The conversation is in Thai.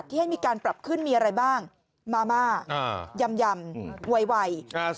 ที่ให้มีการปรับขึ้นมีอะไรบ้างมาม่ายำไว